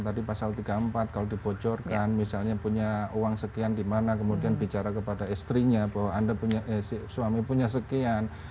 tadi pasal tiga puluh empat kalau dibocorkan misalnya punya uang sekian di mana kemudian bicara kepada istrinya bahwa anda punya suami punya sekian